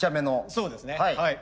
そうですねはい。